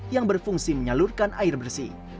yang berfungsi menyalurkan air bersih